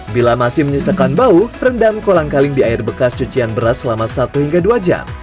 bila masih menyisakan bau rendam kolang kaling di air bekas cucian beras selama satu hingga dua jam